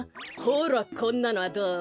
ほらこんなのはどう？